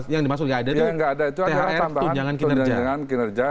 yang dimaksud nggak ada thr tunjangan kinerja